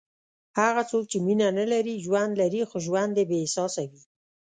هغه څوک چې مینه نه لري، ژوند لري خو ژوند یې بېاحساسه وي.